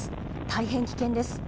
大変危険です。